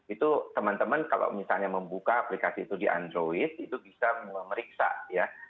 itu teman teman kalau misalnya membuka aplikasi itu di android itu bisa memeriksa ya